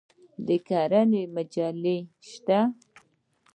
د کرنې مجلې شته؟